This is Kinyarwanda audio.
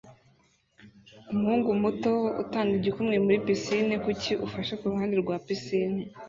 umuhungu muto utanga igikumwe muri pisine kuki ufashe kuruhande rwa pisine